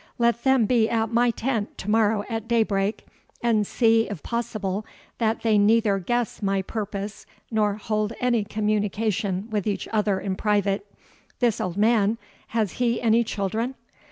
Let them be at my tent to morrow at daybreak, and see, if possible, that they neither guess my purpose, nor hold any communication with each other in private. This old man, has he any children?"